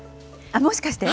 もしかして？